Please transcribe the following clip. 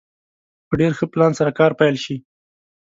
په ډېر ښه پلان سره کار پيل شي.